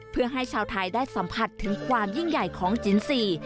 เพื่อให้ชาวไทยได้สัมผัสถึงความยิ่งใหญ่ของจินทรีย์